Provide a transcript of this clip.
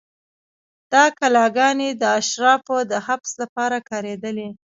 دا کلاګانې د اشرافو د حبس لپاره کارېدلې.